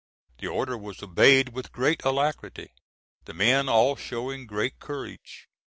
The order was obeyed with great alacrity, the men all showing great courage.